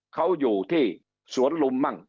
เขาอยู่ที่สวนลุมมั่ง